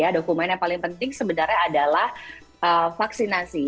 dokumen yang paling penting sebenarnya adalah vaksinasi